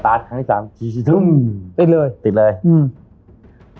สตาร์ทครั้งที่สามติดเลยติดเลยอืม